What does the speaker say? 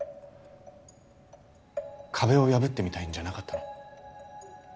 壁を破ってみたいんじゃなかったの？